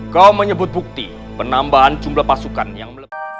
kau menyebut bukti penambahan jumlah pasukan yang melebihi